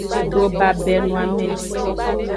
Dobabenoame.